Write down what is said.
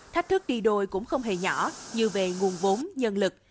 thách thức đi đôi cũng không hề nhỏ như về nguồn vốn nhân lực